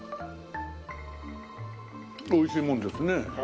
美味しいもんですね。